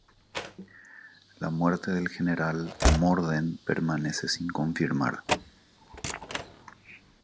La muerte del General Morden permanece sin confirmar.